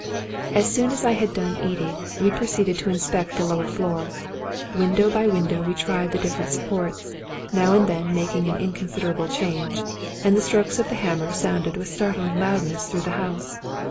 As soon as I had done eating, we proceeded to inspect the lower floor. Window by window we tried the different sup ports, now and then making an inconsiderable change ; and the strokes of the hammer sounded with startling loudness through the house.